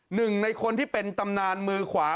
หนึ่งในคนที่เป็นตำนานมือขวา